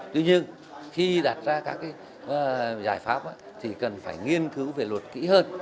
tuy nhiên khi đặt ra các giải pháp thì cần phải nghiên cứu về luật kỹ hơn